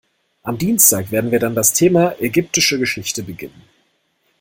Am Dienstag werden wir dann das Thema ägyptische Geschichte beginnen.